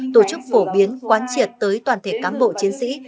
tổ chức phổ biến quan triệt tới toàn thể cán bộ chiến sĩ